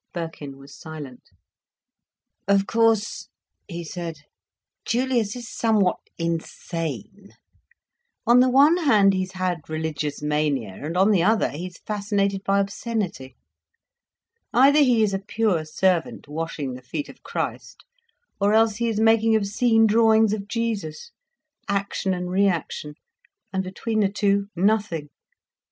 Birkin was silent. "Of course," he said, "Julius is somewhat insane. On the one hand he's had religious mania, and on the other, he is fascinated by obscenity. Either he is a pure servant, washing the feet of Christ, or else he is making obscene drawings of Jesus—action and reaction—and between the two, nothing.